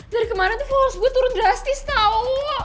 dari kemarin tuh fulls gue turun drastis tau